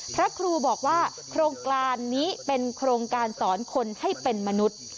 พระครูบอกว่าโครงการนี้เป็นโครงการสอนคนให้เป็นมนุษย์